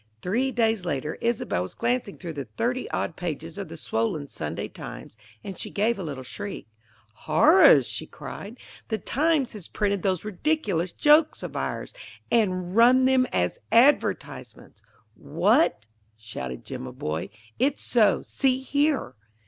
Three days later, Isobel was glancing through the thirty odd pages of the swollen Sunday Times, and she gave a little shriek. "Horrors!" she cried; "the Times has printed those ridiculous jokes of ours, and run them as advertisements!" "What!" shouted Jimaboy. "It's so; see here!"